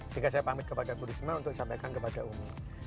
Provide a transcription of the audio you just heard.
sehingga saya pamit kepada bu risma untuk disampaikan kepada umi